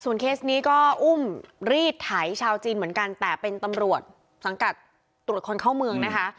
เคสนี้ก็อุ้มรีดไถชาวจีนเหมือนกันแต่เป็นตำรวจสังกัดตรวจคนเข้าเมืองนะคะ